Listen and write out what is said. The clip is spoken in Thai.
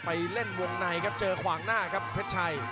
ไปเล่นวงในครับเจอขวางหน้าครับเพชรชัย